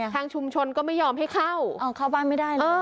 ทางชุมชนก็ไม่ยอมให้เข้าเข้าบ้านไม่ได้เลย